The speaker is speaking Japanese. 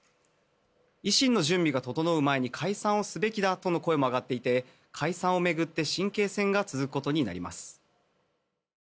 維新の準備が整う前に解散すべきだとの声も上がっていて解散を巡って神経戦が続くことになります。